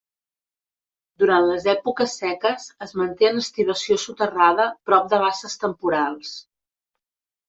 Durant les èpoques seques es manté en estivació soterrada prop de basses temporals.